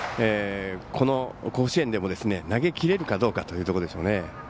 この甲子園でも投げきれるかどうかというところですね。